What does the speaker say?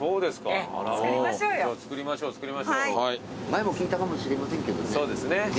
前も聞いたかもしれませんけどね。